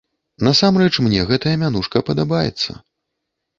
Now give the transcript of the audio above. Насамрэч мне гэтая мянушка падабаецца.